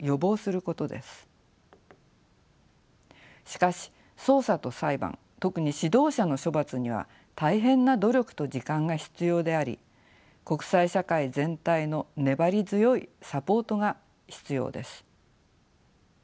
しかし捜査と裁判特に指導者の処罰には大変な努力と時間が必要であり国際社会全体の粘り強いサポートが必要です。